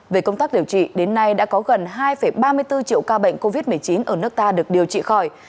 về công tác điều trị đến nay đã có gần hai ba mươi bốn triệu ca bệnh covid một mươi chín ở nước ta được điều trị khỏi